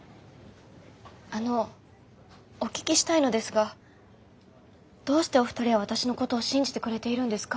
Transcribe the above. あのお聞きしたいのですがどうしてお二人は私のことを信じてくれているんですか？